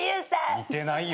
似てないよ。